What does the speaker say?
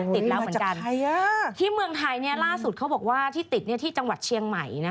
ติดแล้วเหมือนกันที่เมืองไทยล่าสุดเขาบอกว่าที่ติดที่จังหวัดเชียงใหม่